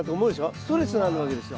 ストレスがあるわけですよ。